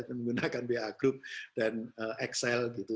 menggunakan ba group dan excel gitu